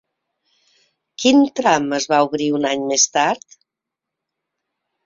Quin tram es va obrir un any més tard?